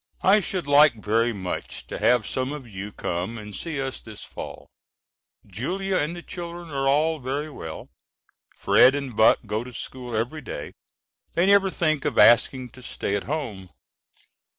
I should like very much to have some of you come and see us this fall. Julia and the children are all very well. Fred and Buck go to school every day. They never think of asking to stay at home.